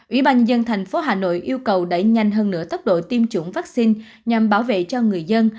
ubnd tp hà nội yêu cầu đẩy nhanh hơn nửa tốc độ tiêm chủng vaccine nhằm bảo vệ cho người dân